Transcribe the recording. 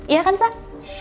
iya kan sah